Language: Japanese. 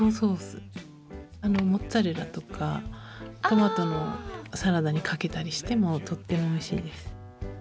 あのモッツァレラとかトマトのサラダにかけたりしてもとってもおいしいです。